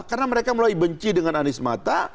karena mereka mulai benci dengan anies mata